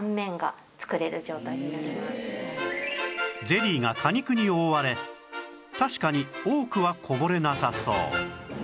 ゼリーが果肉に覆われ確かに多くはこぼれなさそう